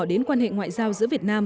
đến quan hệ ngoại giao giữa việt nam